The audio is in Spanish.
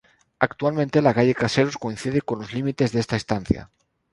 Actualmente la calle Caseros coincide con los límites de esta Estancia.